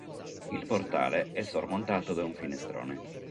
Il portale è sormontato da un finestrone.